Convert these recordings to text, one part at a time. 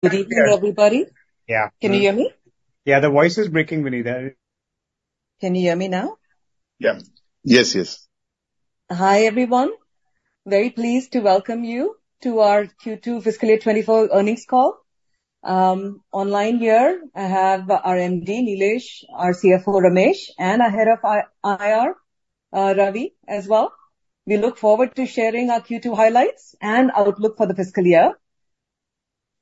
Good evening, everybody. Yeah. Can you hear me? Yeah, the voice is breaking, Vinita. Can you hear me now? Yeah. Yes, yes. Hi, everyone. Very pleased to welcome you to our Q2 fiscal year 2024 earnings call. Online here I have our MD, Nilesh, our CFO, Ramesh, and our head of IR, Ravi, as well. We look forward to sharing our Q2 highlights and outlook for the fiscal year.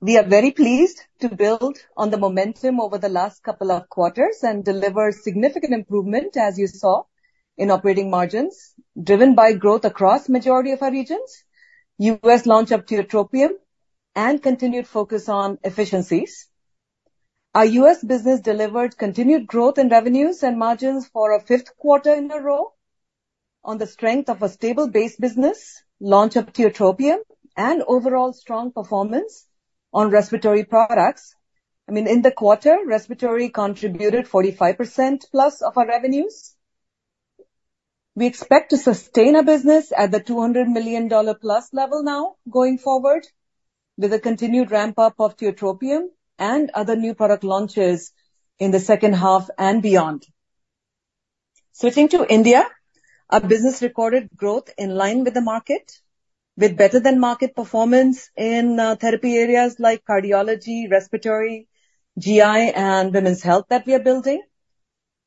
We are very pleased to build on the momentum over the last couple of quarters and deliver significant improvement, as you saw, in operating margins, driven by growth across majority of our regions, U.S. launch of tiotropium, and continued focus on efficiencies. Our U.S. business delivered continued growth in revenues and margins for a fifth quarter in a row on the strength of a stable base business, launch of tiotropium, and overall strong performance on respiratory products. I mean, in the quarter, respiratory contributed 45% plus of our revenues. We expect to sustain our business at the $200 million+ level now going forward, with a continued ramp-up of tiotropium and other new product launches in the second half and beyond. Switching to India, our business recorded growth in line with the market, with better-than-market performance in therapy areas like cardiology, respiratory, GI and women's health that we are building.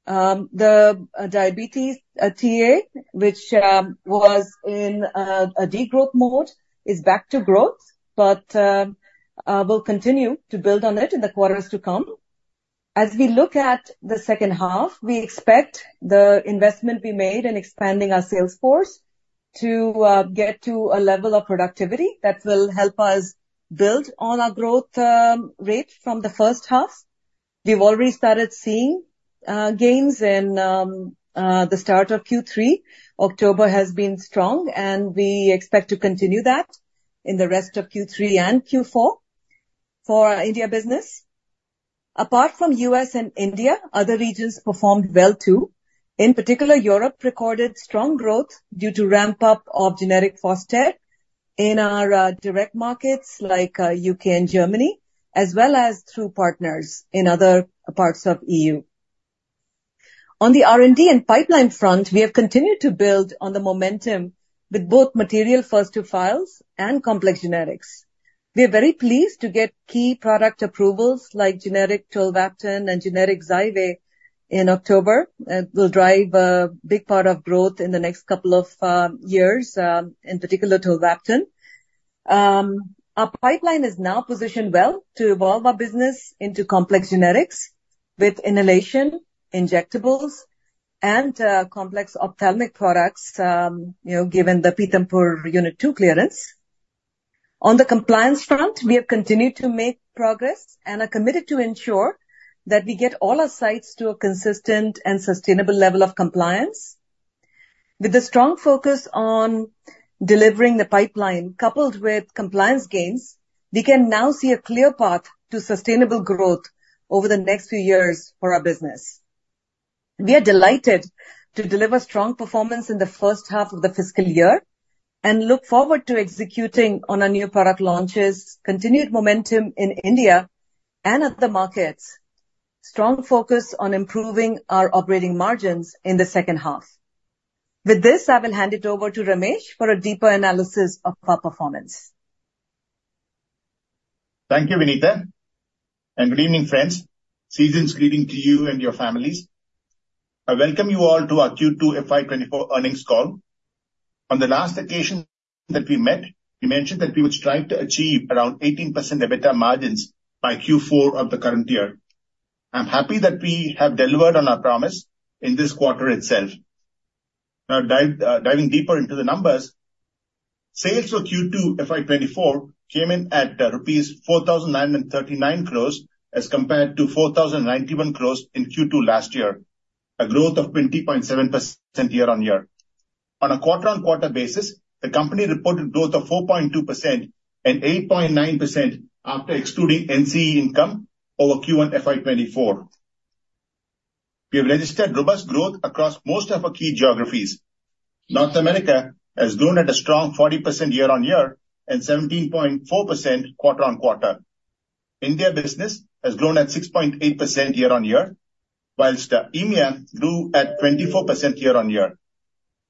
The diabetes TA, which was in a degrowth mode, is back to growth, but we'll continue to build on it in the quarters to come. As we look at the second half, we expect the investment we made in expanding our sales force to get to a level of productivity that will help us build on our growth rate from the first half. We've already started seeing gains in the start of Q3. October has been strong, and we expect to continue that in the rest of Q3 and Q4 for our India business. Apart from U.S. and India, other regions performed well, too. In particular, Europe recorded strong growth due to ramp-up of generic Fostair in our direct markets like U.K. and Germany, as well as through partners in other parts of EU. On the R&D and pipeline front, we have continued to build on the momentum with both material first to files and complex generics. We are very pleased to get key product approvals like generic tolvaptan and generic XYWAV in October, and will drive a big part of growth in the next couple of years, in particular, tolvaptan. Our pipeline is now positioned well to evolve our business into complex generics with inhalation, injectables and, complex ophthalmic products, you know, given the Pithampur unit two clearance. On the compliance front, we have continued to make progress and are committed to ensure that we get all our sites to a consistent and sustainable level of compliance. With a strong focus on delivering the pipeline, coupled with compliance gains, we can now see a clear path to sustainable growth over the next few years for our business. We are delighted to deliver strong performance in the first half of the fiscal year and look forward to executing on our new product launches, continued momentum in India and other markets, strong focus on improving our operating margins in the second half. With this, I will hand it over to Ramesh for a deeper analysis of our performance. Thank you, Vinita, and good evening, friends. Season's greeting to you and your families. I welcome you all to our Q2 FY 2024 earnings call. On the last occasion that we met, we mentioned that we would strive to achieve around 18% EBITDA margins by Q4 of the current year. I'm happy that we have delivered on our promise in this quarter itself. Now, dive, diving deeper into the numbers, sales for Q2 FY 2024 came in at rupees 4,939 crores, as compared to 4,091 crores in Q2 last year, a growth of 20.7% year-on-year. On a quarter-on-quarter basis, the company reported growth of 4.2% and 8.9% after excluding NCE income over Q1 FY 2024. We have registered robust growth across most of our key geographies. North America has grown at a strong 40% year-on-year and 17.4% quarter-on-quarter. India business has grown at 6.8% year-on-year, whilst EMEA grew at 24% year-on-year.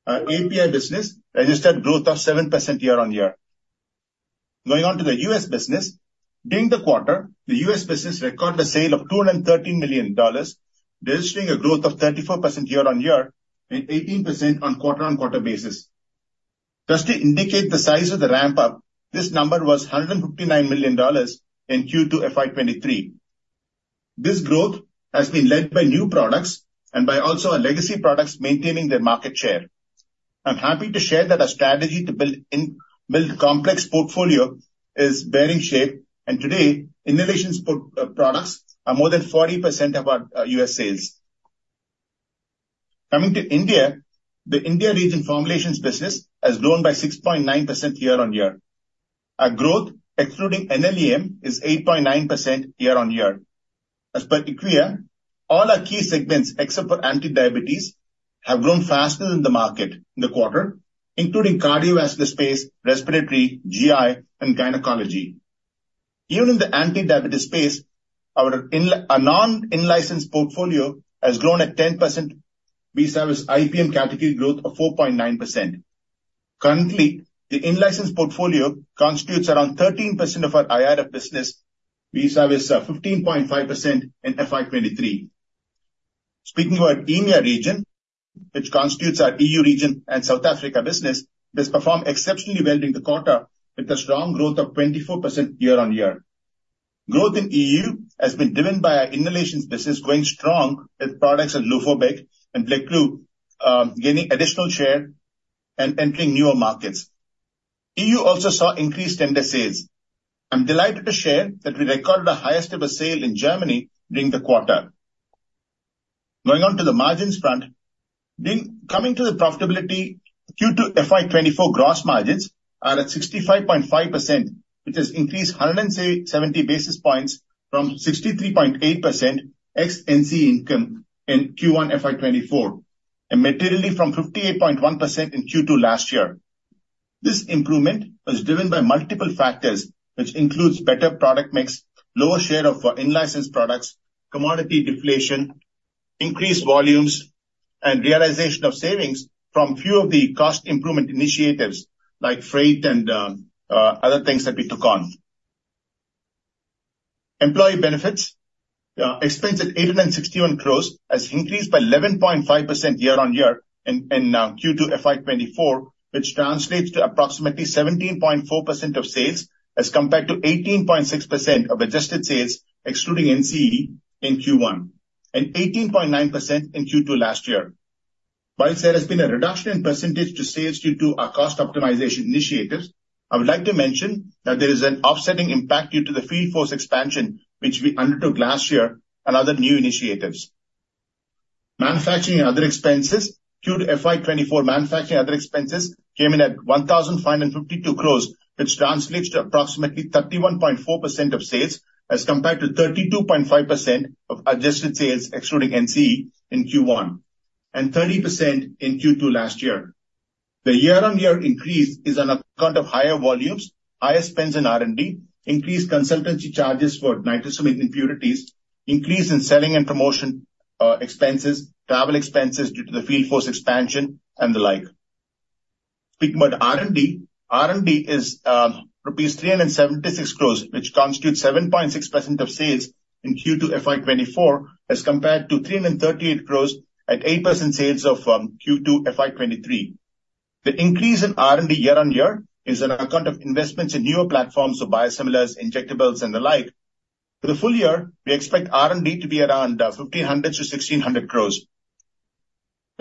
Our API business registered growth of 7% year-on-year. Going on to the US business. During the quarter, the US business recorded a sale of $213 million, registering a growth of 34% year-on-year and 18% on quarter-on-quarter basis. Just to indicate the size of the ramp-up, this number was $159 million in Q2 FY 2023. This growth has been led by new products and by also our legacy products maintaining their market share. I'm happy to share that our strategy to build complex portfolio is bearing shape, and today, innovative products are more than 40% of our US sales. Coming to India. The India region formulations business has grown by 6.9% year-on-year. Our growth, excluding NLEM, is 8.9% year-on-year. As per IQVIA, all our key segments except for anti-diabetes have grown faster than the market in the quarter, including cardiovascular space, respiratory, GI, and gynecology. Even in the anti-diabetes space, our non-in-licensed portfolio has grown at 10% vis-a-vis IPM category growth of 4.9%. Currently, the in-licensed portfolio constitutes around 13% of our IRF business, vis-a-vis 15.5% in FY 2023. Speaking about EMEA region, which constitutes our EU region and South Africa business, has performed exceptionally well during the quarter, with a strong growth of 24% year-on-year. Growth in EU has been driven by our inhalations business going strong, with products like Lufolbek and Pleqoo gaining additional share and entering newer markets. EU also saw increased tender sales. I'm delighted to share that we recorded the highest ever sale in Germany during the quarter. Going on to the margins front. Then, coming to the profitability, Q2 FY 2024 gross margins are at 65.5%, which has increased 170 basis points from 63.8% ex NCE income in Q1 FY 2024, and materially from 58.1% in Q2 last year. This improvement was driven by multiple factors, which includes better product mix, lower share of our in-licensed products, commodity deflation, increased volumes, and realization of savings from few of the cost improvement initiatives like freight and other things that we took on. Employee benefits expense at 861 crore has increased by 11.5% year-on-year in Q2 FY 2024, which translates to approximately 17.4% of sales, as compared to 18.6% of adjusted sales, excluding NCE in Q1, and 18.9% in Q2 last year. Whilst there has been a reduction in percentage to sales due to our cost optimization initiatives, I would like to mention that there is an offsetting impact due to the field force expansion, which we undertook last year and other new initiatives. Manufacturing and other expenses. Q2 FY 2024 manufacturing other expenses came in at 1,552 crores, which translates to approximately 31.4% of sales, as compared to 32.5% of adjusted sales excluding NCE in Q1, and 30% in Q2 last year. The year-on-year increase is on account of higher volumes, higher spends in R&D, increased consultancy charges for nitrosamine impurities, increase in selling and promotion, expenses, travel expenses due to the field force expansion, and the like. Speaking about R&D. R&D is rupees 376 crores, which constitutes 7.6% of sales in Q2 FY 2024, as compared to 338 crores at 8% sales of Q2 FY 2023. The increase in R&D year-on-year is on account of investments in newer platforms of biosimilars, injectables, and the like. For the full year, we expect R&D to be around 1,500 crore-1,600 crore.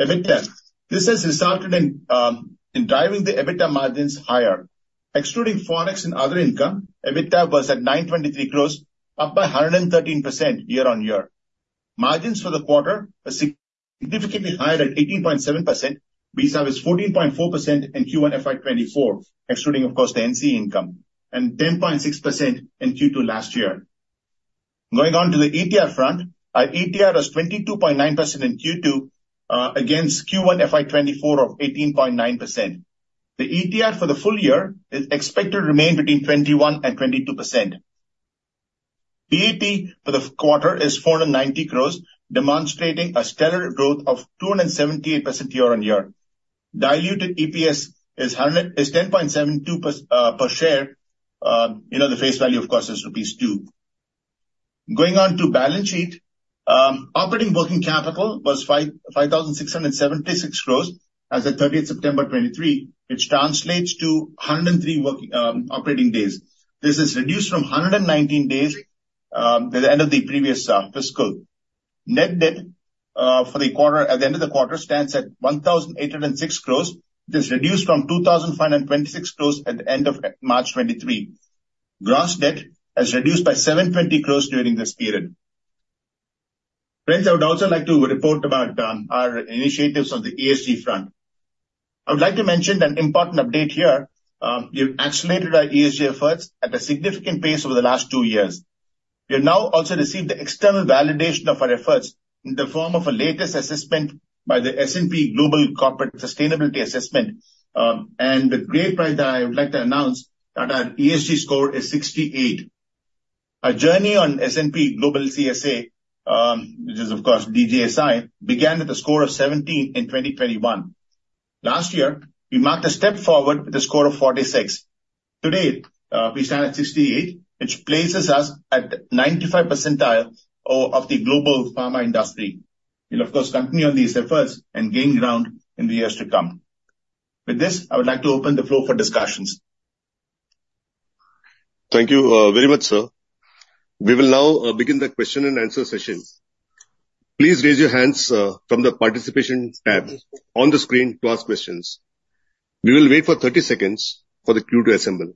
EBITDA, this has resulted in driving the EBITDA margins higher. Excluding Forex and other income, EBITDA was at 923 crore, up by 113% year-on-year. Margins for the quarter are significantly higher at 18.7%, vis-a-vis 14.4% in Q1 FY 2024, excluding of course the NCE income, and 10.6% in Q2 last year. Going on to the ETR front. Our ETR was 22.9% in Q2, against Q1 FY 2024 of 18.9%. The ETR for the full year is expected to remain between 21% and 22%. PAT for the quarter is 490 crore, demonstrating a stellar growth of 278% year-on-year. Diluted EPS is 10.72 per share. You know, the face value, of course, is rupees 2. Going on to balance sheet. Operating working capital was 5,576 crore as at 30 September 2023, which translates to 103 operating days. This is reduced from 119 days at the end of the previous fiscal. Net debt for the quarter, at the end of the quarter, stands at 1,806 crore. This reduced from 2,526 crore at the end of March 2023. Gross debt has reduced by 720 crore during this period. Friends, I would also like to report about our initiatives on the ESG front. I would like to mention an important update here. We've accelerated our ESG efforts at a significant pace over the last two years. We have now also received the external validation of our efforts in the form of a latest assessment by the S&P Global Corporate Sustainability Assessment. And the great pride that I would like to announce that our ESG score is 68. Our journey on S&P Global CSA, which is of course DJSI, began with a score of 17 in 2021. Last year, we marked a step forward with a score of 46. Today, we stand at 68, which places us at the 95 percentile of the global pharma industry. We'll of course continue on these efforts and gain ground in the years to come. With this, I would like to open the floor for discussions. Thank you, very much, sir. We will now begin the question and answer session. Please raise your hands from the Participation tab on the screen to ask questions. We will wait for 30 seconds for the queue to assemble.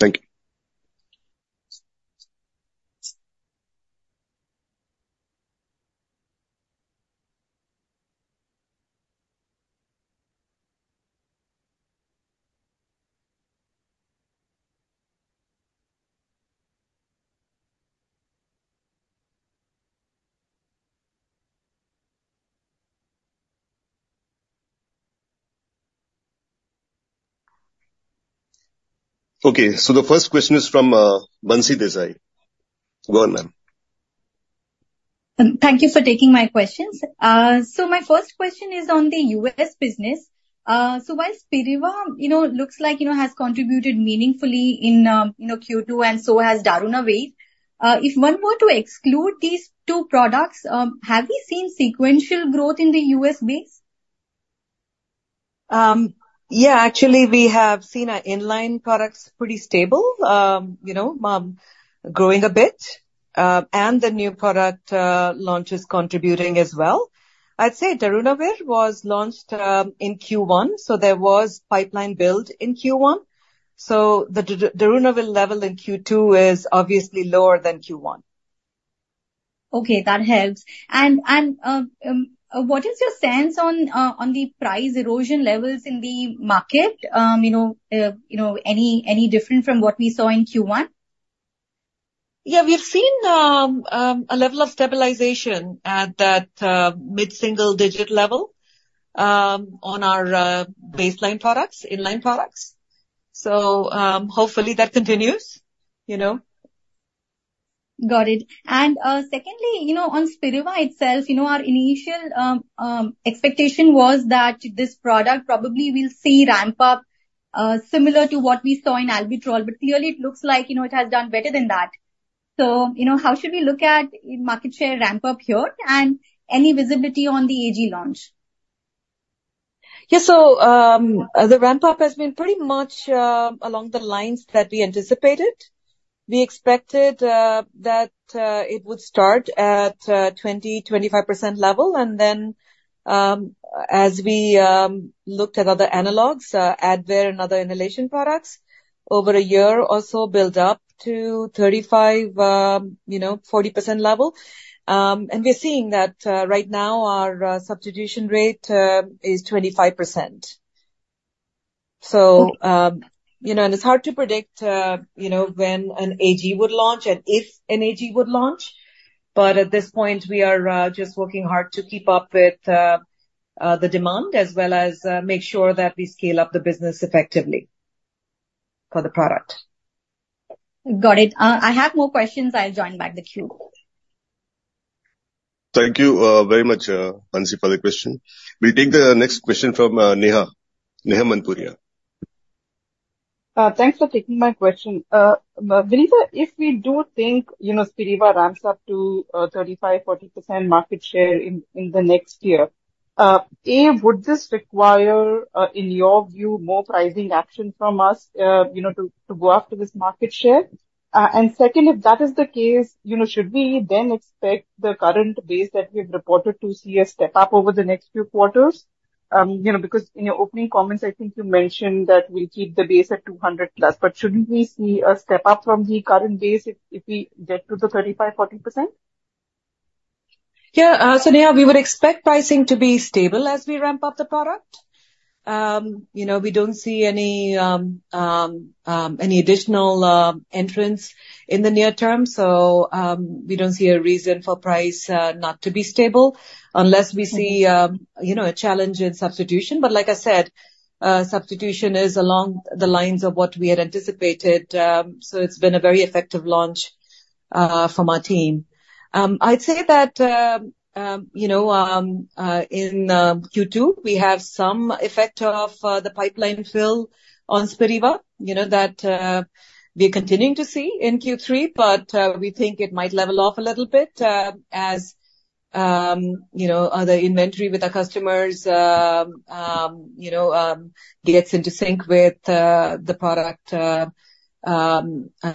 Thank you. ... Okay, so the first question is from, Mansi Desai. Go on, ma'am. Thank you for taking my questions. My first question is on the U.S. business. So while Spiriva, you know, looks like, you know, has contributed meaningfully in, you know, Q2, and so has darunavir, if one were to exclude these two products, have we seen sequential growth in the U.S. base? Yeah, actually, we have seen our in-line products pretty stable, you know, growing a bit, and the new product launch is contributing as well. I'd say Darunavir was launched in Q1, so there was pipeline build in Q1. So the Darunavir level in Q2 is obviously lower than Q1. Okay, that helps. And what is your sense on the price erosion levels in the market? You know, any different from what we saw in Q1? Yeah, we've seen a level of stabilization at that mid-single digit level on our baseline products, in-line products. So, hopefully, that continues, you know. Got it. And, secondly, you know, on Spiriva itself, you know, our initial expectation was that this product probably will see ramp up similar to what we saw in albuterol, but clearly it looks like, you know, it has done better than that. So, you know, how should we look at market share ramp up here, and any visibility on the AG launch? Yeah. So, the ramp up has been pretty much along the lines that we anticipated. We expected that it would start at 25% level, and then, as we looked at other analogues, Advair and other inhalation products, over a year or so, build up to 35%, you know, 40% level. And we're seeing that right now, our substitution rate is 25%. Okay. You know, and it's hard to predict, you know, when an AG would launch and if an AG would launch, but at this point, we are just working hard to keep up with the demand, as well as make sure that we scale up the business effectively for the product. Got it. I have more questions. I'll join back the queue. Thank you, very much, Mansi, for the question. We'll take the next question from Neha. Neha Manpuria. Thanks for taking my question. Vinita, if we do think, you know, Spiriva ramps up to 35%-40% market share in the next year, A, would this require, in your view, more pricing action from us, you know, to go after this market share? And secondly, if that is the case, you know, should we then expect the current base that we've reported to see a step up over the next few quarters? You know, because in your opening comments, I think you mentioned that we'll keep the base at 200+, but shouldn't we see a step up from the current base if we get to the 35%-40%? Yeah. So Neha, we would expect pricing to be stable as we ramp up the product. You know, we don't see any additional entrants in the near term, so we don't see a reason for price not to be stable unless we see, you know, a challenge in substitution. But like I said, substitution is along the lines of what we had anticipated, so it's been a very effective launch from our team. I'd say that, you know, in Q2, we have some effect of the pipeline fill on Spiriva, you know, that we're continuing to see in Q3, but we think it might level off a little bit, as you know, you know, gets into sync with the product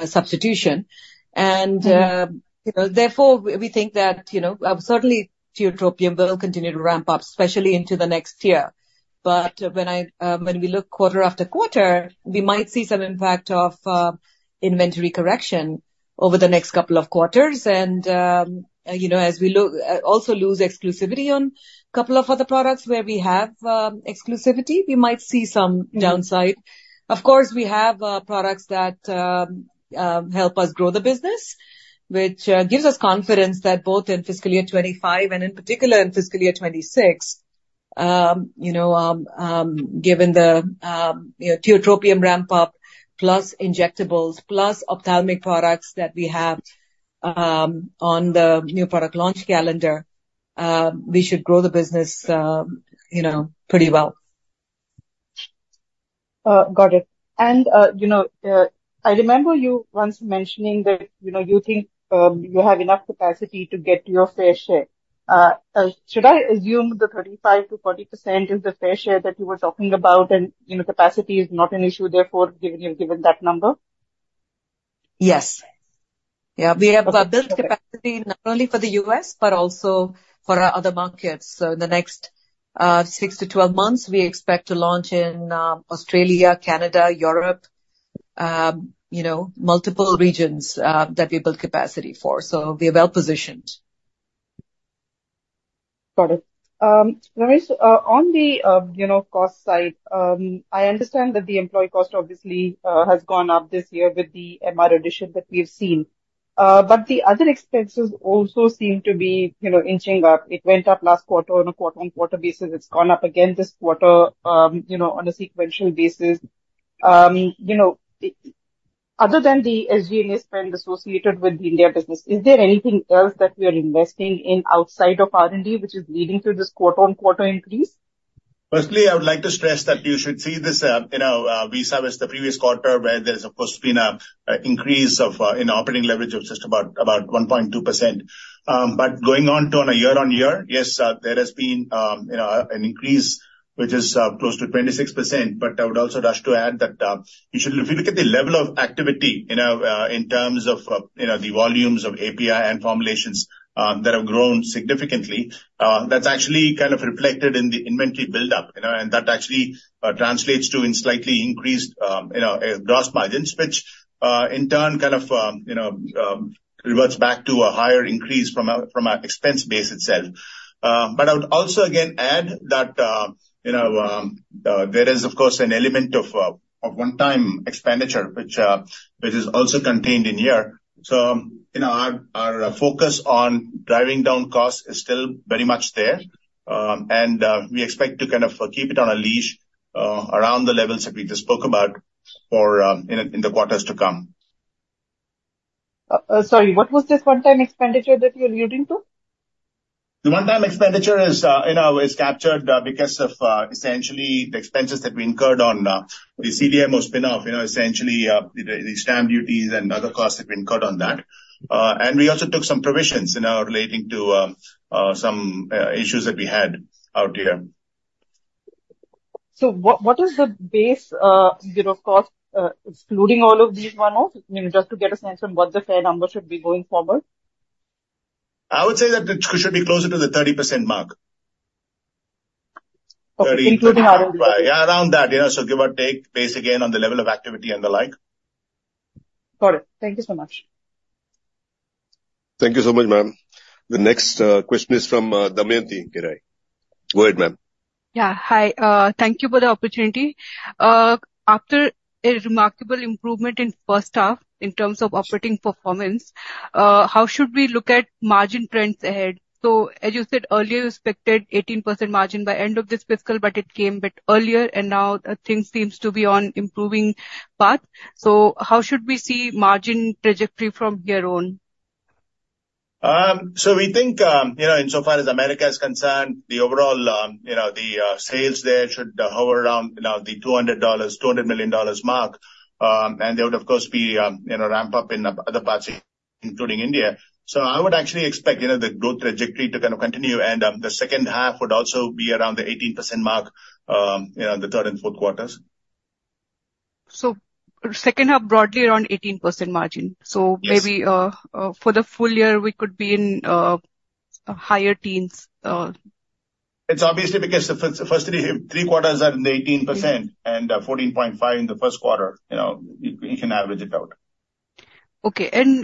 substitution. Mm-hmm. And, you know, therefore, we think that, you know, certainly, tiotropium will continue to ramp up, especially into the next year. But when we look quarter after quarter, we might see some impact of, inventory correction over the next couple of quarters. And, you know, as we also lose exclusivity on couple of other products where we have, exclusivity, we might see some- Mm-hmm. downside. Of course, we have products that help us grow the business, which gives us confidence that both in fiscal year 2025 and in particular in fiscal year 2026, you know, given the tiotropium ramp-up, plus injectables, plus ophthalmic products that we have on the new product launch calendar, we should grow the business, you know, pretty well. Got it. You know, I remember you once mentioning that, you know, you think you have enough capacity to get to your fair share. Should I assume the 35%-40% is the fair share that you were talking about, and, you know, capacity is not an issue, therefore, given you- given that number? Yes. Yeah, we have- Okay. Built capacity not only for the U.S., but also for our other markets. So in the next 6-12 months, we expect to launch in Australia, Canada, Europe, you know, multiple regions that we build capacity for. So we are well positioned. Got it. Ramesh, on the you know, cost side, I understand that the employee cost obviously has gone up this year with the MR addition that we've seen. But the other expenses also seem to be, you know, inching up. It went up last quarter on a quarter-on-quarter basis. It's gone up again this quarter, you know, on a sequential basis. You know, other than the SG&A spend associated with the India business, is there anything else that we are investing in outside of R&D, which is leading to this quarter-on-quarter increase? Firstly, I would like to stress that you should see this, you know, we saw this the previous quarter, where there's of course been an increase in operating leverage of just about 1.2%. But going on to a year-on-year, yes, there has been, you know, an increase, which is close to 26%. But I would also like to add that, you should if you look at the level of activity, you know, in terms of, you know, the volumes of API and formulations, that have grown significantly, that's actually kind of reflected in the inventory buildup, you know, and that actually translates to slightly increased, you know, gross margins. Which, in turn, kind of, you know, reverts back to a higher increase from our expense base itself. But I would also again add that, you know, there is of course an element of one-time expenditure, which is also contained in here. So, you know, our focus on driving down costs is still very much there. We expect to kind of keep it on a leash around the levels that we just spoke about in the quarters to come. Sorry, what was this one-time expenditure that you're alluding to? The one-time expenditure is, you know, is captured, because of, essentially the expenses that we incurred on, the CDM or spin-off. You know, essentially, the stamp duties and other costs have been cut on that. And we also took some provisions, you know, relating to, some issues that we had out here. So what is the base, you know, cost, excluding all of these one-offs? I mean, just to get a sense of what the fair number should be going forward. I would say that it should be closer to the 30% mark. Okay. Including R&D. Yeah, around that, you know, so give or take, based again, on the level of activity and the like. Got it. Thank you so much. Thank you so much, ma'am. The next question is from Damayanti Kerai. Go ahead, ma'am. Yeah, hi. Thank you for the opportunity. After a remarkable improvement in first half, in terms of operating performance, how should we look at margin trends ahead? So, as you said earlier, you expected 18% margin by end of this fiscal, but it came bit earlier and now things seems to be on improving path. So how should we see margin trajectory from here on? So we think, you know, in so far as America is concerned, the overall, you know, the sales there should hover around, you know, the $200 million mark. And there would, of course, be, you know, ramp up in other parts, including India. So I would actually expect, you know, the growth trajectory to kind of continue, and the second half would also be around the 18% mark, you know, in the third and fourth quarters. Second half, broadly around 18% margin. Yes. So maybe for the full year, we could be in higher teens. It's obviously because the first three quarters are in the 18% and 14.5% in the first quarter, you know, you can average it out. Okay. And,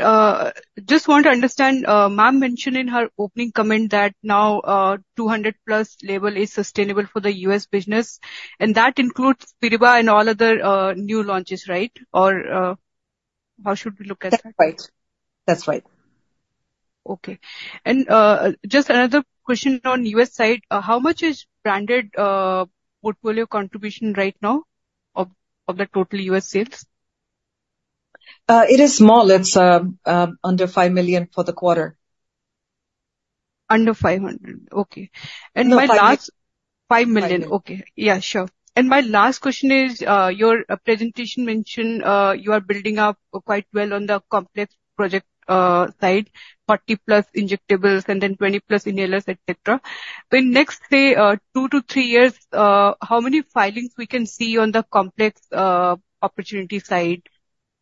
just want to understand, ma'am mentioned in her opening comment that now, 200+ label is sustainable for the U.S. business, and that includes Spiriva and all other, new launches, right? Or, how should we look at that? That's right. That's right. Okay. Just another question on U.S. side. How much is branded portfolio contribution right now of the total U.S. sales? It is small. It's under 5 million for the quarter. Under 500. Okay. No, 5 million. 5 million. Okay. Yeah, sure. And my last question is, your presentation mentioned, you are building up quite well on the complex project side, 40+ injectables and then 20+ inhalers, et cetera. In next, say, two to three years, how many filings we can see on the complex opportunity side,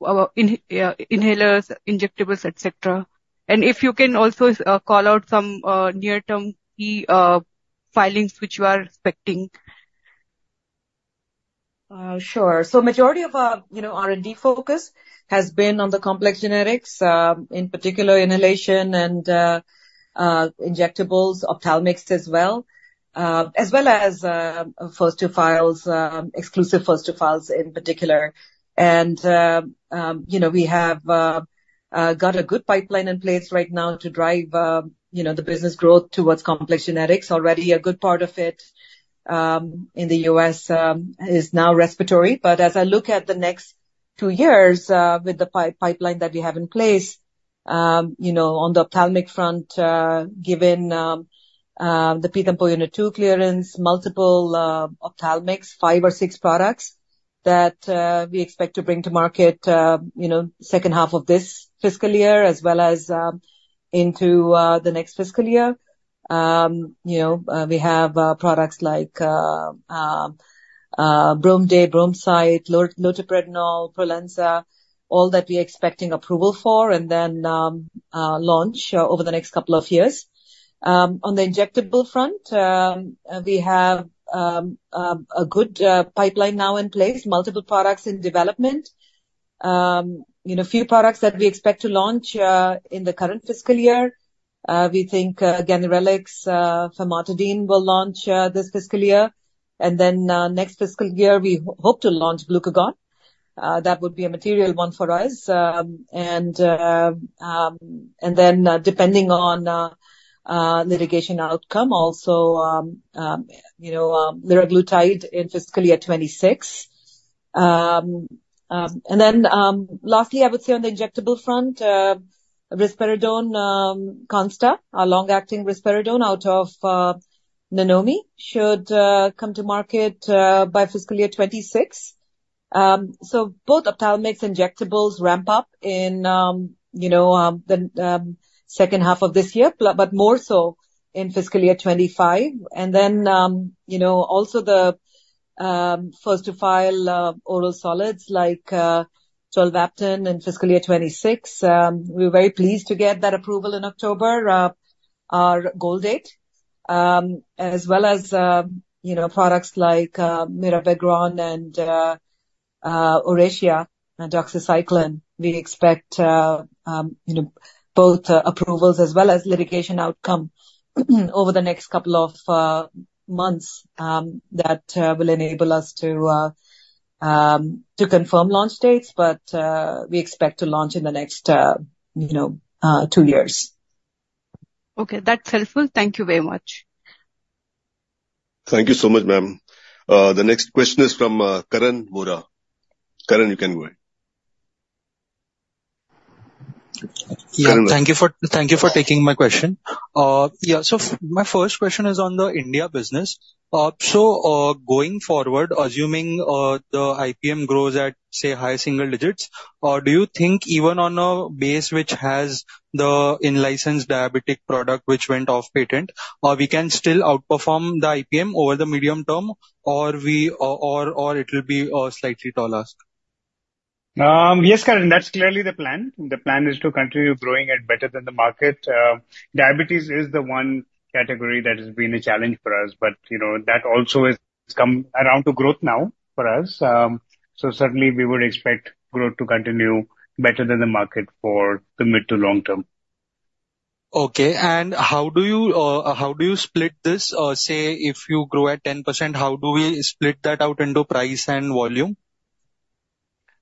inhalers, injectables, et cetera? And if you can also call out some near-term key filings, which you are expecting. Sure. So majority of our, you know, R&D focus has been on the complex generics, in particular, inhalation and injectables, ophthalmics as well. As well as first-to-file, exclusive first-to-file in particular. And, you know, we have got a good pipeline in place right now to drive, you know, the business growth towards complex generics. Already a good part of it, in the U.S., is now respiratory. But as I look at the next two years, with the pipeline that we have in place, you know, on the ophthalmic front, given the Pithampur Unit-2 clearance, multiple ophthalmics, five or six products that we expect to bring to market, you know, second half of this fiscal year, as well as into the next fiscal year. You know, we have products like Bromday, BromSite, ioteprednol, Prolensa, all that we're expecting approval for, and then launch over the next couple of years. On the injectable front, we have a good pipeline now in place, multiple products in development. You know, few products that we expect to launch in the current fiscal year. We think ganirelix famotidine will launch this fiscal year. Then, next fiscal year, we hope to launch glucagon. That would be a material one for us. And then, depending on litigation outcome, also, you know, liraglutide in fiscal year 2026. And then, lastly, I would say on the injectable front, risperidone Consta, our long-acting risperidone out of Nanomi, should come to market by fiscal year 2026. So both our complex injectables ramp up in, you know, the second half of this year, but more so in fiscal year 2025. And then, you know, also the first to file oral solids, like tolvaptan in fiscal year 2026. We're very pleased to get that approval in October, our goal date. As well as, you know, products like mirabegron and Oracea and doxycycline. We expect, you know, both approvals as well as litigation outcome over the next couple of months, that will enable us to confirm launch dates, but we expect to launch in the next, you know, two years. Okay, that's helpful. Thank you very much. Thank you so much, ma'am. The next question is from Karan Vora. Karan, you can go ahead. Yeah. Karan, go- Thank you for taking my question. My first question is on the India business. So, going forward, assuming the IPM grows at, say, high single digits, do you think even on a base which has the in-licensed diabetic product which went off patent, we can still outperform the IPM over the medium term, or it will be a slightly taller? Yes, Karan, that's clearly the plan. The plan is to continue growing at better than the market. Diabetes is the one category that has been a challenge for us, but, you know, that also has, has come around to growth now for us. So certainly we would expect growth to continue better than the market for the mid to long term. Okay. And how do you, how do you split this? Say, if you grow at 10%, how do we split that out into price and volume?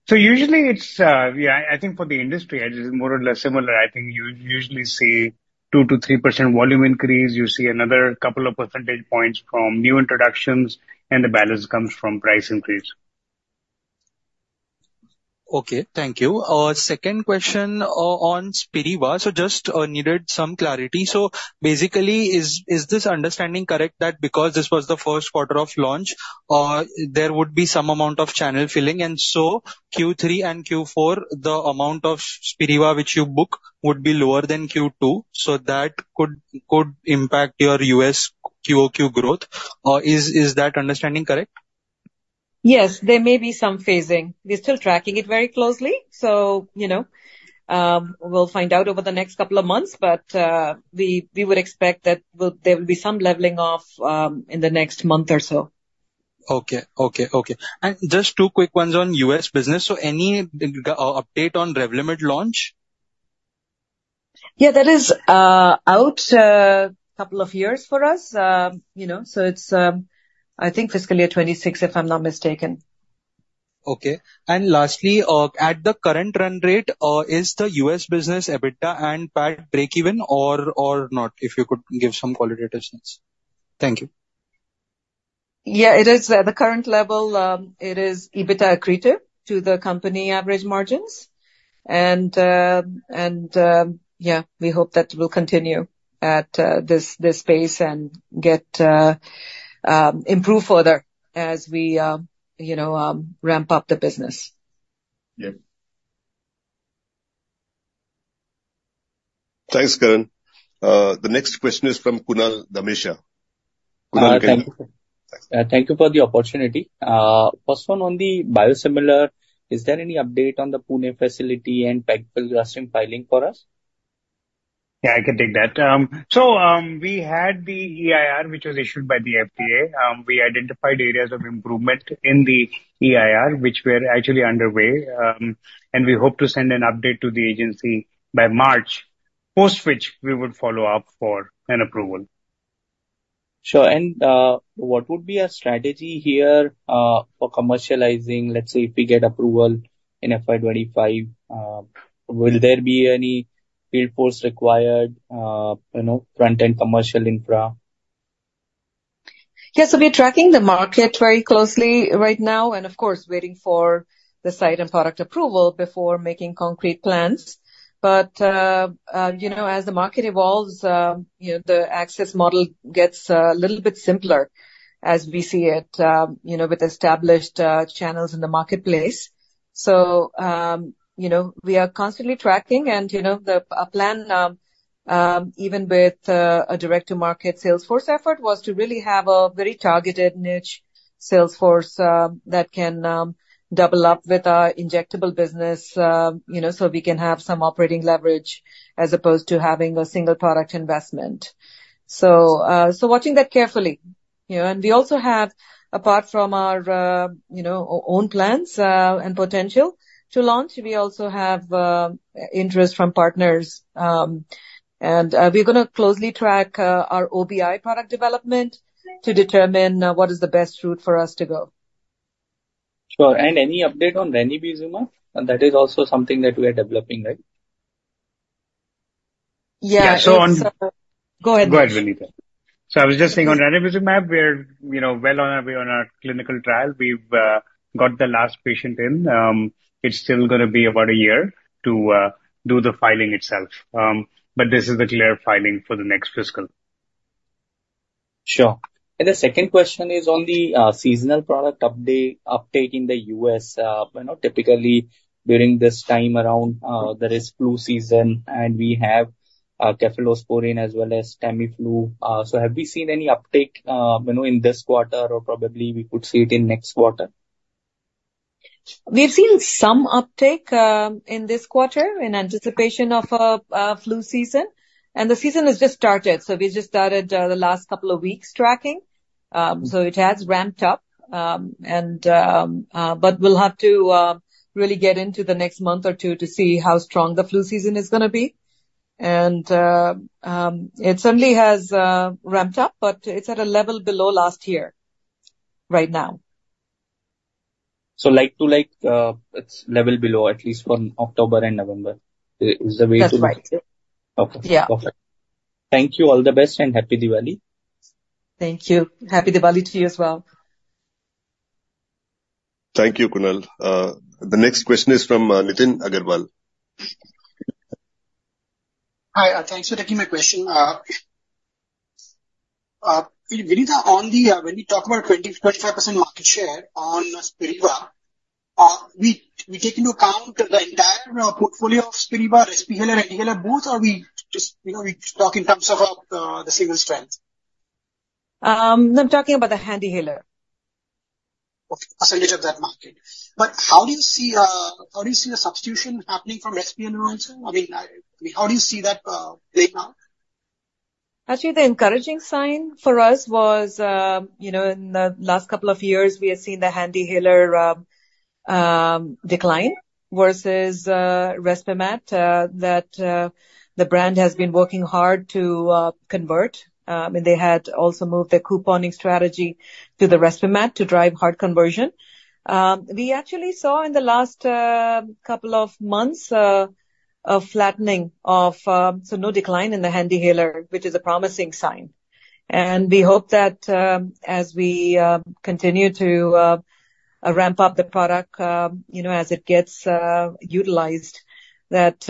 So usually it's, I think for the industry, it is more or less similar. I think you usually see 2%-3% volume increase. You see another couple of percentage points from new introductions, and the balance comes from price increase. Okay, thank you. Second question, on Spiriva. So just needed some clarity. So basically, is this understanding correct, that because this was the first quarter of launch, there would be some amount of channel filling, and so Q3 and Q4, the amount of Spiriva which you book would be lower than Q2, so that could impact your U.S. QOQ growth? Is that understanding correct? Yes, there may be some phasing. We're still tracking it very closely, so, you know, we'll find out over the next couple of months. But, we would expect that there will be some leveling off, in the next month or so. Okay. Okay, okay. Just two quick ones on U.S. business. Any update on Revlimid launch? Yeah, that is out a couple of years for us. You know, so it's, I think fiscal year 2026, if I'm not mistaken. Okay. And lastly, at the current run rate, is the U.S. business EBITDA and [inaudible] break even or, or not? If you could give some qualitative sense. Thank you. Yeah, it is. At the current level, it is EBITDA accretive to the company average margins. And, yeah, we hope that will continue at this pace and get improve further as we, you know, ramp up the business. Yeah. Thanks, Karan. The next question is from Kunal Dhamesha. Kunal, go ahead. Thank you. Thank you for the opportunity. First one on the biosimilar, is there any update on the Pune facility and pegfilgrastim filing for us? Yeah, I can take that. So, we had the EIR, which was issued by the FDA. We identified areas of improvement in the EIR, which were actually underway, and we hope to send an update to the agency by March, post which we would follow up for an approval. Sure. And, what would be our strategy here, for commercializing? Let's say, if we get approval in FY 2025, will there be any field force required, you know, front-end commercial infra? Yes. So we're tracking the market very closely right now, and of course, waiting for the site and product approval before making concrete plans. But, you know, as the market evolves, you know, the access model gets a little bit simpler as we see it, you know, with established channels in the marketplace. So, you know, we are constantly tracking and, you know, the plan, even with a direct-to-market sales force effort, was to really have a very targeted niche sales force, that can double up with our injectable business, you know, so we can have some operating leverage as opposed to having a single product investment. So, so watching that carefully.... You know, and we also have, apart from our own plans and potential to launch, we also have interest from partners. We're gonna closely track our OBI product development to determine what is the best route for us to go. Sure. And any update on ranibizumab? And that is also something that we are developing, right? Yeah, so on- Yeah, so- Go ahead. Go ahead, Vinita. So I was just saying, on ranibizumab, we're, you know, well on our way on our clinical trial. We've got the last patient in. It's still gonna be about a year to do the filing itself. But this is the clear filing for the next fiscal. Sure. The second question is on the seasonal product update, uptake in the U.S. You know, typically during this time around, there is flu season, and we have cephalosporin as well as Tamiflu. So have we seen any uptake, you know, in this quarter, or probably we could see it in next quarter? We've seen some uptake in this quarter in anticipation of flu season. The season has just started, so we just started the last couple of weeks tracking. So it has ramped up. But we'll have to really get into the next month or two to see how strong the flu season is gonna be. It certainly has ramped up, but it's at a level below last year, right now. So like to, like, it's level below, at least from October and November, is the way to- That's right. Okay. Yeah. Perfect. Thank you. All the best, and Happy Diwali! Thank you. Happy Diwali to you as well. Thank you, Kunal. The next question is from Nitin Agarwal. Hi, thanks for taking my question. Vinita, on the, when you talk about 25% market share on Spiriva, we, we take into account the entire portfolio of Spiriva, Respimat, HandiHaler, both, or we just, you know, we talk in terms of the single strength? I'm talking about the HandiHaler. Okay, percentage of that market. But how do you see, how do you see the substitution happening from Respimat also? I mean, how do you see that, playing out? Actually, the encouraging sign for us was, you know, in the last couple of years, we have seen the HandiHaler decline versus Respimat, that the brand has been working hard to convert. And they had also moved their couponing strategy to the Respimat to drive hard conversion. We actually saw in the last couple of months a flattening, so no decline in the HandiHaler, which is a promising sign. And we hope that, as we continue to ramp up the product, you know, as it gets utilized, that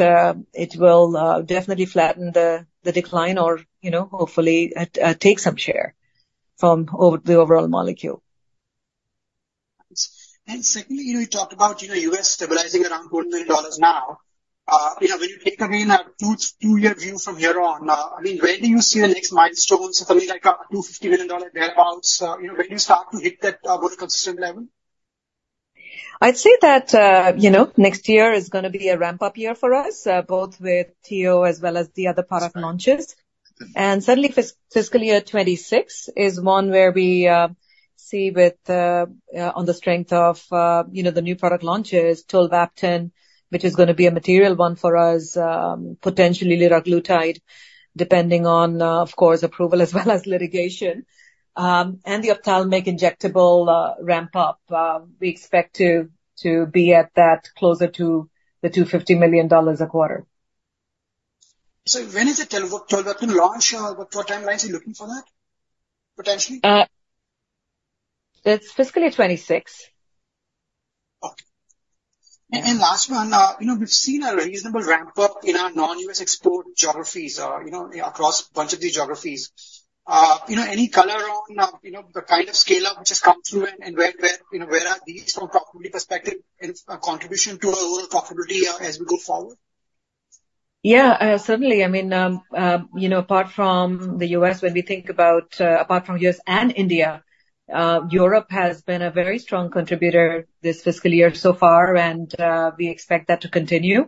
it will definitely flatten the decline or, you know, hopefully take some share from the overall molecule. And secondly, you talked about, you know, U.S. stabilizing around $4 million now. You know, when you take again a two-year view from here on, I mean, where do you see the next milestones? Something like a $250 million whereabouts, you know, when you start to hit that, more consistent level? I'd say that, you know, next year is gonna be a ramp-up year for us, both with TO as well as the other product launches. And certainly fiscal year 2026 is one where we see with the, on the strength of, you know, the new product launches, tolvaptan, which is gonna be a material one for us, potentially liraglutide, depending on, of course, approval as well as litigation. And the ophthalmic injectable, ramp up. We expect to be at that closer to the $250 million a quarter. When is the tolvaptan launch? What timeline are you looking for that, potentially? It's fiscal year 2026. Okay. And last one. You know, we've seen a reasonable ramp-up in our non-U.S. export geographies, you know, across a bunch of the geographies. You know, any color on, you know, the kind of scale-up which has come through and where, you know, where are these from profitability perspective and contribution to our overall profitability, as we go forward? Yeah, certainly, I mean, you know, apart from the U.S., when we think about, apart from U.S. and India, Europe has been a very strong contributor this fiscal year so far, and we expect that to continue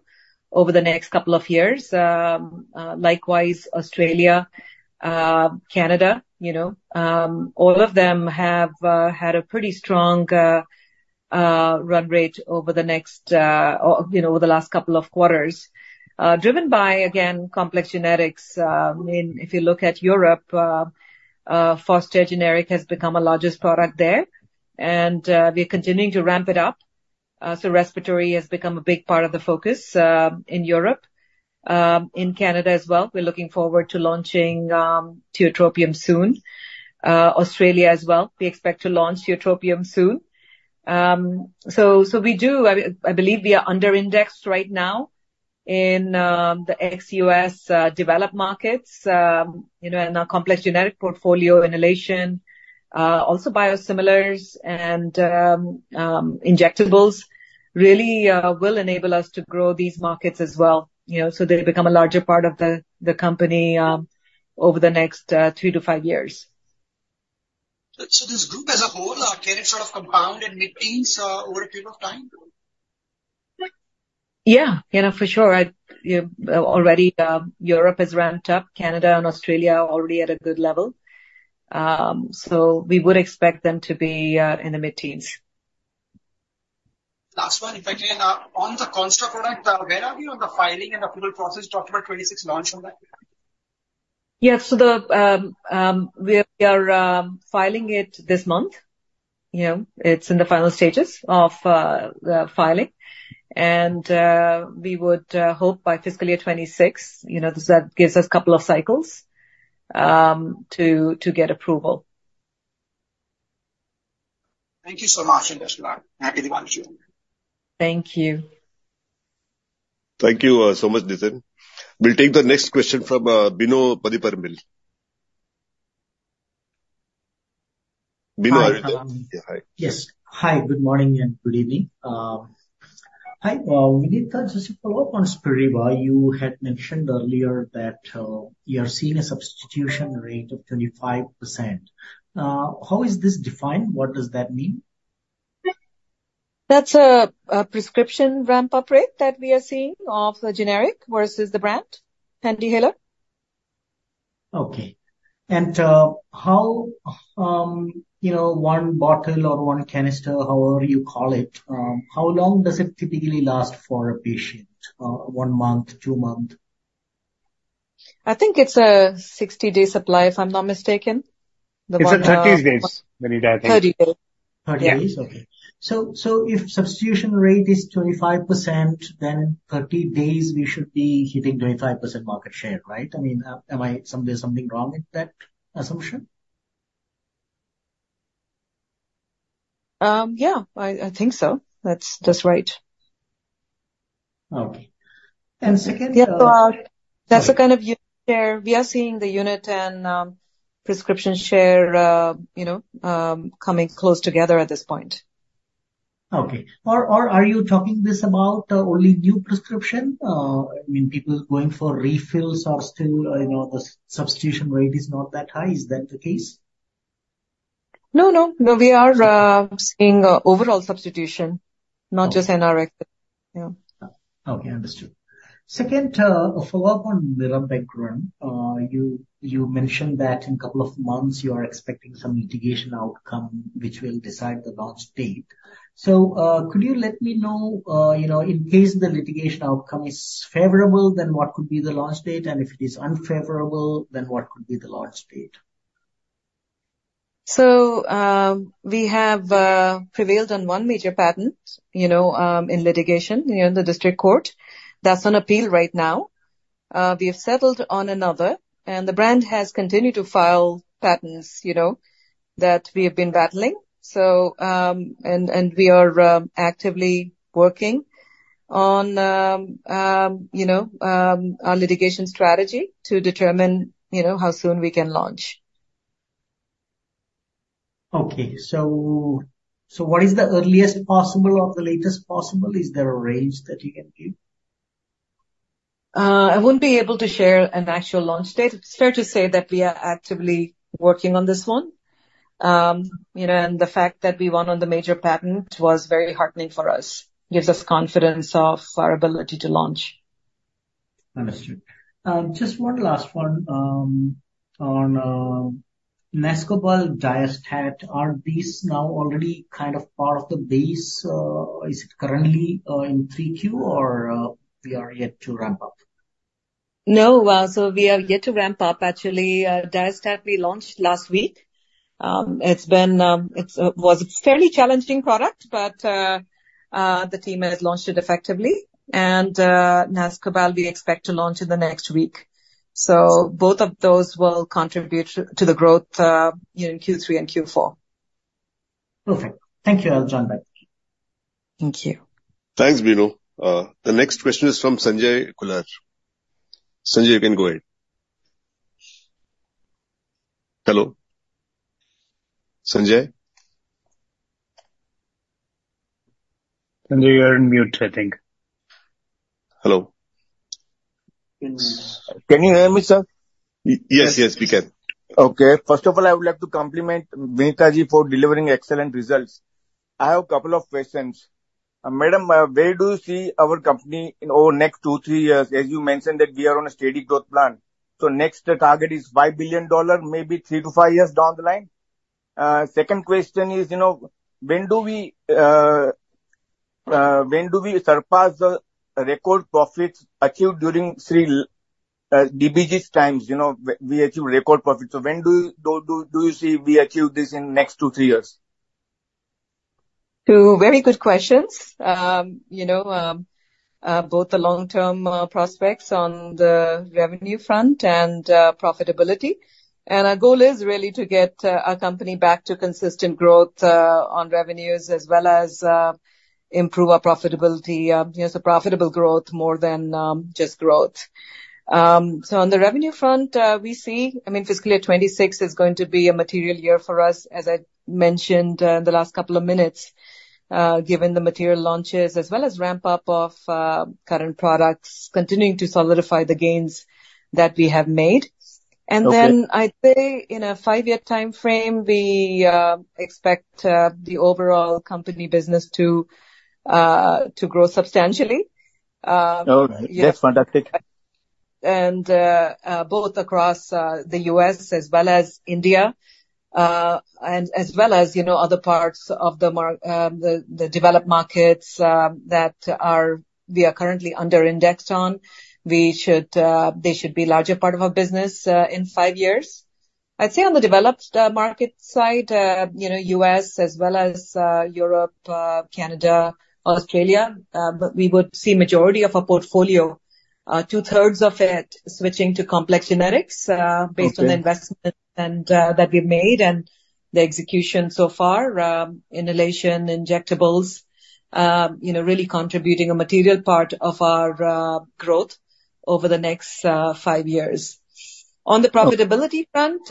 over the next couple of years. Likewise, Australia, Canada, you know, all of them have had a pretty strong run rate over the next, or, you know, over the last couple of quarters. Driven by, again, complex generics. I mean, if you look at Europe, Fostair generic has become our largest product there, and we are continuing to ramp it up. So respiratory has become a big part of the focus in Europe, in Canada as well. We're looking forward to launching tiotropium soon. Australia as well, we expect to launch tiotropium soon. So, so we do. I, I believe we are under indexed right now in the ex-U.S. developed markets. You know, and our complex generic portfolio, inhalation, also biosimilars and injectables, really, will enable us to grow these markets as well, you know, so they become a larger part of the company over the next three to five years. So, this group as a whole, can it sort of compound and maintain over a period of time?... Yeah, you know, for sure. Already, Europe is ramped up, Canada and Australia are already at a good level. So we would expect them to be in the mid-teens. Last one, if I can. On the Consta product, where are we on the filing and approval process, October 26 launch on that? Yes. So, we are filing it this month. You know, it's in the final stages of the filing. We would hope by fiscal year 2026, you know, that gives us a couple of cycles to get approval. Thank you so much, Ms. Vinita. Happy to launch you. Thank you. Thank you, so much, Nilesh. We'll take the next question from Bino Pathiparampil. Bino, are you there? Yes. Hi, good morning and good evening. Hi, Vinita, just a follow-up on Spiriva. You had mentioned earlier that you are seeing a substitution rate of 25%. How is this defined? What does that mean? That's a prescription ramp-up rate that we are seeing of the generic versus the brand HandiHaler. Okay. And, how, you know, one bottle or one canister, however you call it, how long does it typically last for a patient? One month, two month? I think it's a 60-day supply, if I'm not mistaken. It's a 30 days, Vinita, I think. Thirty days. Thirty days? Yeah. Okay. So, if substitution rate is 25%, then 30 days we should be hitting 25% market share, right? I mean, am I... Is there something wrong with that assumption? Yeah, I think so. That's just right. Okay. And second- Yeah, that's the kind of unit share. We are seeing the unit and prescription share, you know, coming close together at this point. Okay. Or are you talking about this only new prescription? I mean, people going for refills are still, you know, the substitution rate is not that high. Is that the case? No, no. No, we are seeing overall substitution, not just NRx, you know? Okay, understood. Second, a follow-up on mirabegron. You mentioned that in a couple of months you are expecting some litigation outcome, which will decide the launch date. So, could you let me know, you know, in case the litigation outcome is favorable, then what could be the launch date? And if it is unfavorable, then what could be the launch date? So, we have prevailed on one major patent, you know, in litigation, you know, in the district court. That's on appeal right now. We have settled on another, and the brand has continued to file patents, you know, that we have been battling. So... And we are actively working on, you know, our litigation strategy to determine, you know, how soon we can launch. Okay. So, so what is the earliest possible or the latest possible? Is there a range that you can give? I wouldn't be able to share an actual launch date. It's fair to say that we are actively working on this one. You know, the fact that we won on the major patent was very heartening for us, gives us confidence of our ability to launch. Understood. Just one last one, on Nascobal, Diastat, aren't these now already kind of part of the base? Is it currently in three Q or we are yet to ramp up? No. So we are yet to ramp up. Actually, Diastat we launched last week. It was a fairly challenging product, but the team has launched it effectively. And Nascobal, we expect to launch in the next week. So both of those will contribute to the growth, you know, in Q3 and Q4. Perfect. Thank you, I'll join back. Thank you. Thanks, Bino. The next question is from Sanjay Kular. Sanjay, you can go ahead. Hello, Sanjay? Sanjay, you're on mute, I think. Hello. Can you hear me, sir? Yes, yes, we can. Okay. First of all, I would like to compliment Vinita ji for delivering excellent results. I have a couple of questions. Madam, where do you see our company in over next two, three years? As you mentioned, that we are on a steady growth plan, so next target is $5 billion, maybe three to five years down the line. Second question is, you know, when do we surpass the record profits achieved during Sri DBG's times? You know, we achieved record profits. So when do you see we achieve this in next two, three years? Two very good questions. You know, both the long-term prospects on the revenue front and profitability. And our goal is really to get our company back to consistent growth on revenues as well as improve our profitability. You know, so profitable growth more than just growth. So on the revenue front, we see, I mean, fiscal year 2026 is going to be a material year for us, as I mentioned in the last couple of minutes, given the material launches, as well as ramp-up of current products, continuing to solidify the gains that we have made. Okay. And then I'd say in a five year timeframe, we expect the overall company business to grow substantially. All right. That's fantastic.... And both across the U.S. as well as India, and as well as, you know, other parts of the market, the developed markets that we are currently under-indexed on. We should, they should be larger part of our business in five years. I'd say on the developed market side, you know, U.S. as well as Europe, Canada, Australia, but we would see majority of our portfolio, two-thirds of it switching to complex generics. Okay. -based on the investment and that we've made and the execution so far, inhalation, injectables, you know, really contributing a material part of our growth over the next five years. Okay. On the profitability front,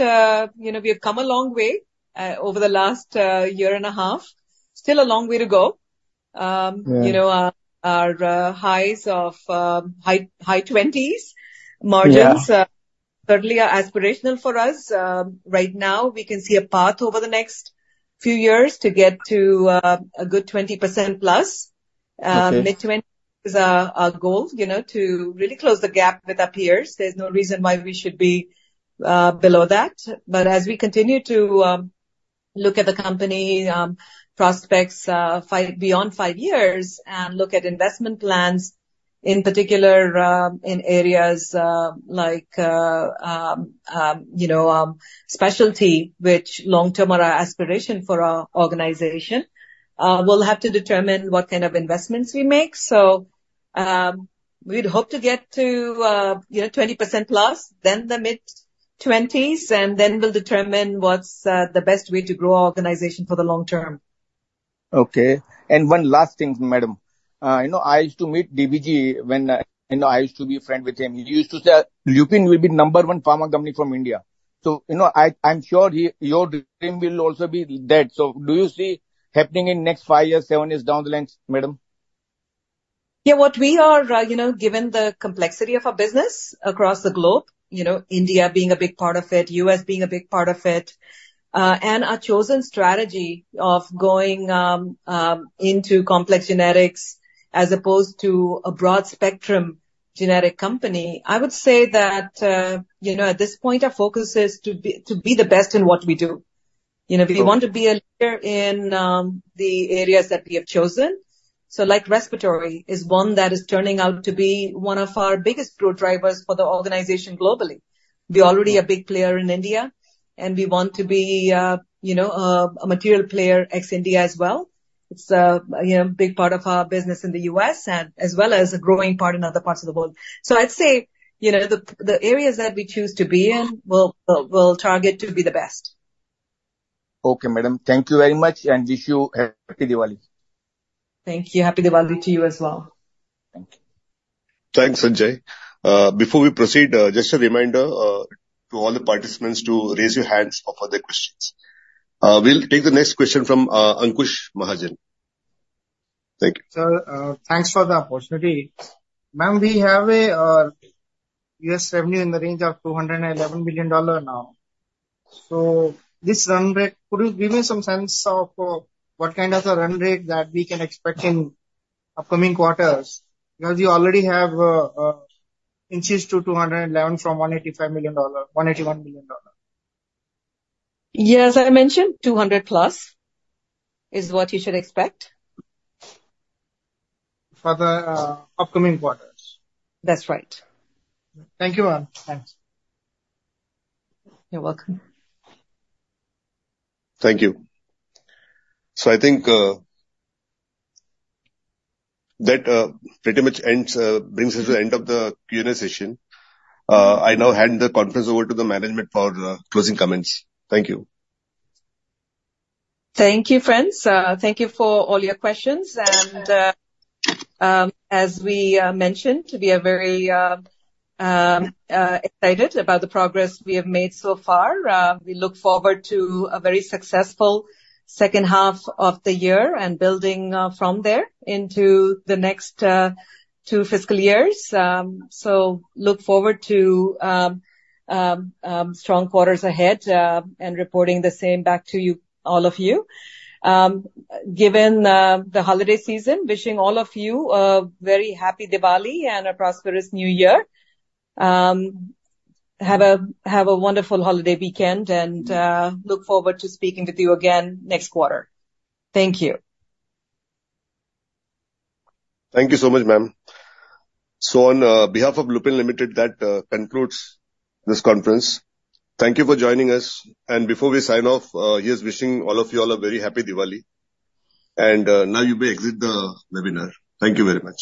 you know, we have come a long way over the last year and a half. Still a long way to go. Yeah. you know, our highs of high 20s margins Yeah. Certainly are aspirational for us. Right now, we can see a path over the next few years to get to a good 20%+. Okay. Mid-20s is our, our goal, you know, to really close the gap with our peers. There's no reason why we should be below that. But as we continue to look at the company prospects beyond five years, and look at investment plans, in particular, in areas like specialty, which long-term are our aspiration for our organization, we'll have to determine what kind of investments we make. So, we'd hope to get to, you know, 20%+, then the mid-20s, and then we'll determine what's the best way to grow our organization for the long term. Okay. One last thing, madam. You know, I used to meet DBG when, you know, I used to be friend with him. He used to say, "Lupin will be number one pharma company from India." So, you know, I, I'm sure he, your dream will also be that. So do you see happening in next five years, seven years down the line, madam? Yeah. What we are, you know, given the complexity of our business across the globe, you know, India being a big part of it, U.S. being a big part of it, and our chosen strategy of going into complex generics as opposed to a broad spectrum generic company, I would say that, you know, at this point, our focus is to be, to be the best in what we do. Sure. You know, we want to be a leader in the areas that we have chosen. So, like, respiratory is one that is turning out to be one of our biggest growth drivers for the organization globally. We're already a big player in India, and we want to be, you know, a material player ex-India as well. It's a, you know, big part of our business in the U.S. and as well as a growing part in other parts of the world. So I'd say, you know, the areas that we choose to be in, we'll target to be the best. Okay, madam. Thank you very much, and wish you a Happy Diwali! Thank you. Happy Diwali to you as well. Thank you. Thanks, Sanjay. Before we proceed, just a reminder to all the participants to raise your hands for further questions. We'll take the next question from Ankush Mahajan. Thank you. Sir, thanks for the opportunity. Ma'am, we have a U.S. revenue in the range of $211 million now. So this run rate, could you give me some sense of what kind of a run rate that we can expect in upcoming quarters? Because you already have inched to $211 million from $185 million... $181 million. Yes, as I mentioned, 200+ is what you should expect. For the upcoming quarters? That's right. Thank you, ma'am. Thanks. You're welcome. Thank you. So I think, that, pretty much ends, brings us to the end of the Q&A session. I now hand the conference over to the management for, closing comments. Thank you. Thank you, friends. Thank you for all your questions. As we mentioned, we are very excited about the progress we have made so far. We look forward to a very successful second half of the year and building from there into the next two fiscal years. So look forward to strong quarters ahead and reporting the same back to you, all of you. Given the holiday season, wishing all of you a very happy Diwali and a prosperous New Year. Have a wonderful holiday weekend and look forward to speaking with you again next quarter. Thank you. Thank you so much, ma'am. So, on behalf of Lupin Limited, that concludes this conference. Thank you for joining us, and before we sign off, here's wishing all of you all a very happy Diwali. And, now you may exit the webinar. Thank you very much.